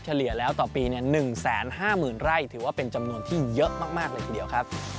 เลี่ยแล้วต่อปี๑๕๐๐๐ไร่ถือว่าเป็นจำนวนที่เยอะมากเลยทีเดียวครับ